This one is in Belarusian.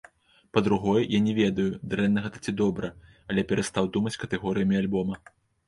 Па-другое, я не ведаю, дрэнна гэта ці добра, але я перастаў думаць катэгорыямі альбома.